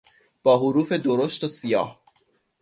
با حروف درشت و سیاه